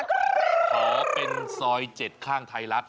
ขอเป็นซอย๗ข้างไทยลักษณ์